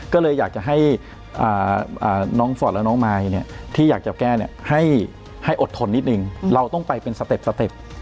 ก็เลยอยากจะให้น้องฟอร์ตและน้องมายที่อยากจะแก้ให้อดทนนิดนึงเราต้องไปเป็นสเต็ปสเต็ป